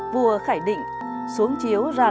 vua khải định xuống chiếu ra lộc